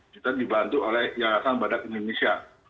kita dibantu oleh yayasan badak indonesia